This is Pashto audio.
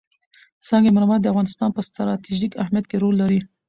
سنگ مرمر د افغانستان په ستراتیژیک اهمیت کې رول لري.